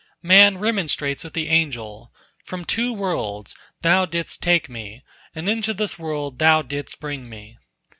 Man remonstrates with the angel, "From two worlds thou didst take me, and into this world thou didst bring me."